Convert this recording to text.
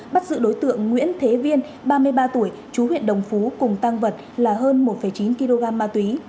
bắt giữ đối tượng nguyễn thế viên ba mươi ba tuổi chú huyện đồng phú cùng tăng vật là hơn một chín kg ma túy